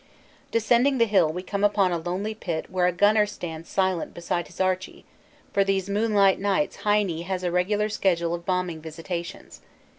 Descending the hill we come upon a lonely pit where a gunner stands silent beside his "Archie," for these moonlight nights "Heine" has a regular schedule of bombing visitations.